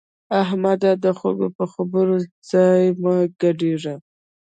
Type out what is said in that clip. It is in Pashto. احمده! د خلګو په خبرو بې ځایه مه ګډېږه.